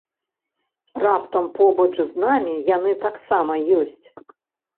Раптам побач з намі яны таксама ёсць?